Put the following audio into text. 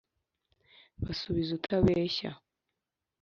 Basubize utabeshya!